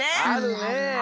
あるねえ。